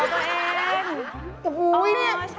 หล่อตัวเอง